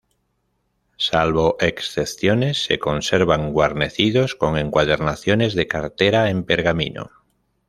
Salvo excepciones, se conservan guarnecidos con encuadernaciones de cartera en pergamino.